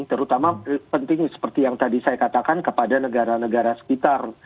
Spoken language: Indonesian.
terutama penting seperti yang tadi saya katakan kepada negara negara sekitar